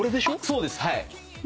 そうですはい。